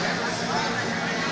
apa kabar teman teman